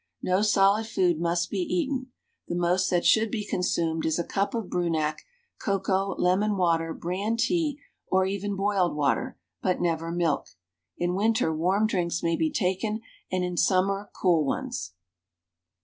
No solid food must be eaten. The most that should be consumed is a cup of Brunak, cocoa, lemon water, bran tea, or even boiled water, but never milk. In winter warm drinks may be taken, and in summer cool ones.